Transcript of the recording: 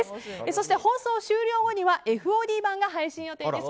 そして放送終了後にはＦＯＤ版が配信予定です。